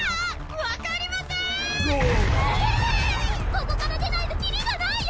ここから出ないとキリがないよ！